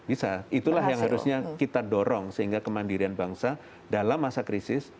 bisa itulah yang harusnya kita dorong sehingga kemandirian bangsa dalam masa krisis